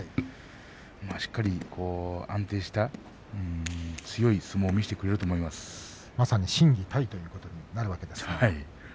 しっかりと安定した強い相撲をまさに心技体ということになるわけですね。